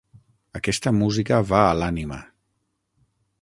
Aquesta música va a l'ànima.